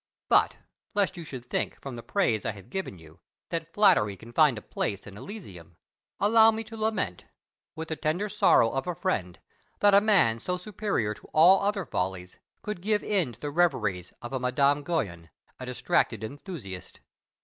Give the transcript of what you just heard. But lest you should think, from the praise I have given you, that flattery can find a place in Elysium, allow me to lament, with the tender sorrow of a friend, that a man so superior to all other follies could give into the reveries of a Madame Guyon, a distracted enthusiast.